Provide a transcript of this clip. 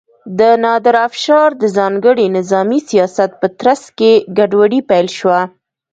د نادر افشار د ځانګړي نظامي سیاست په ترڅ کې ګډوډي پیل شوه.